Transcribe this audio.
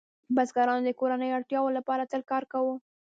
بزګرانو د کورنیو اړتیاوو لپاره تل کار کاوه.